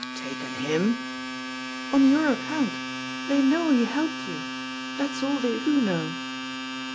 "Taken him!" "On your account. They know he helped you. That's all they do know."